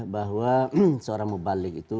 bahwa seorang mubalik itu